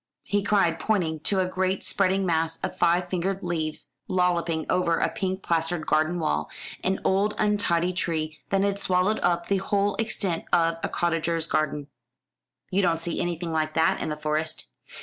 he cried, pointing to a great spreading mass of five fingered leaves lolloping over a pink plastered garden wall an old untidy tree that had swallowed up the whole extent of a cottager's garden. "You don't see anything like that in the Forest."